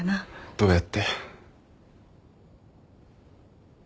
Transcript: どうやって？